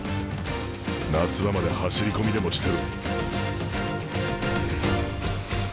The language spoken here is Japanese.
夏場まで走り込みでもしてろ。